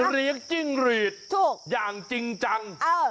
เลี้ยงจิ้งหรีดอย่างจริงจัง